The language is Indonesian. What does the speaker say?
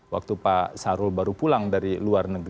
waktu pak sarul baru pulang dari pendampingan hukum